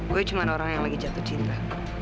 gue cuma orang yang lagi jatuh cinta